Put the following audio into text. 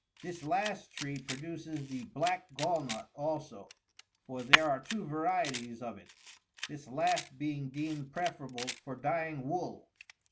This last tree produces the black gall nut also — for there are two varieties of it — this last being deemed preferable for dyeing wool.